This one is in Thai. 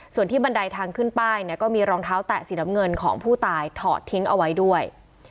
ส่วนที่บันไดทางขึ้นป้ายเนี่ยก็มีรองเท้าแตะสีน้ำเงินของผู้ตายถอดทิ้งเอาไว้ด้วย